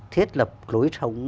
thiết lập lối sống